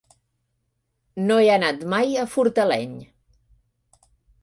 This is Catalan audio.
No he anat mai a Fortaleny.